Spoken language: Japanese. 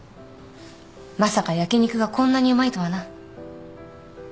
まさか焼き肉がこんなにうまいとはな。